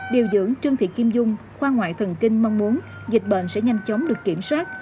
điều dưỡng trương thị kim dung khoa ngoại thần kinh mong muốn dịch bệnh sẽ nhanh chóng được kiểm soát